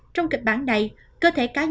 trong kịch bản này cơ thể cá nhân